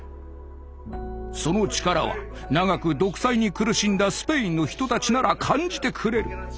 その力は長く独裁に苦しんだスペインの人たちなら感じてくれる。